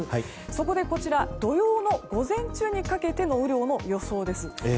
そこで、土曜の午前中にかけての雨量の予想です。